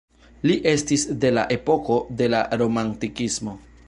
Li estis de la epoko de la Romantikismo.